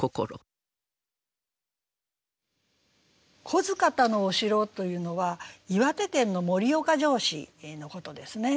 「不来方のお城」というのは岩手県の盛岡城址のことですね。